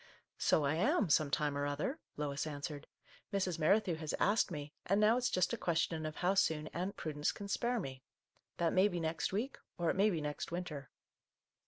" So I am, some time or other," Lois answered. " Mrs. Merrithew has asked me, and now it's just a question of how soon Aunt Prudence can spare me. That may be next week, — or it may be next winter